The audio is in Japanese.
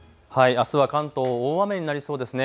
あすは関東、大雨になりそうですね。